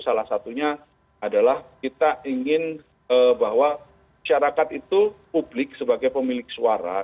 salah satunya adalah kita ingin bahwa syarakat itu publik sebagai pemilik suara